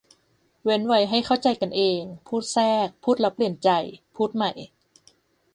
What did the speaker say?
เว้นไว้ให้เข้าใจกันเอง พูดแทรก พูดแล้วเปลี่ยนใจ พูดใหม่